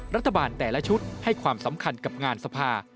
รัฐบาลแต่ละชุดให้ความสำคัญกับงานสภา